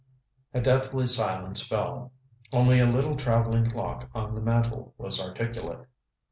A deathly silence fell. Only a little traveling clock on the mantel was articulate.